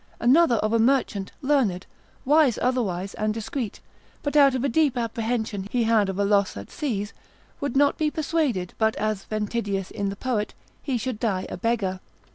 Another of a merchant, learned, wise otherwise and discreet, but out of a deep apprehension he had of a loss at seas, would not be persuaded but as Ventidius in the poet, he should die a beggar.